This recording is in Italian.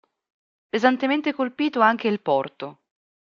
Pesantemente colpito anche il porto.